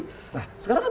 nah sekarang kan